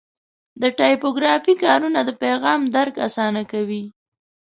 د ټایپوګرافي کارونه د پیغام درک اسانه کوي.